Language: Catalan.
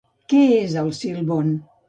Qui és El Silbón?